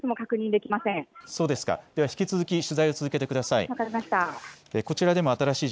では引き続き取材を続けてください。